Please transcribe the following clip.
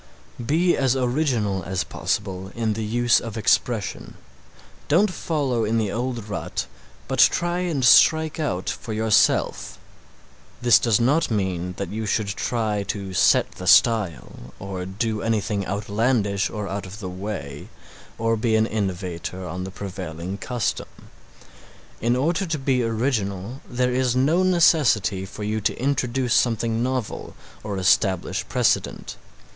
Be as original as possible in the use of expression. Don't follow in the old rut but try and strike out for yourself. This does not mean that you should try to set the style, or do anything outlandish or out of the way, or be an innovator on the prevailing custom. In order to be original there is no necessity for you to introduce something novel or establish a precedent.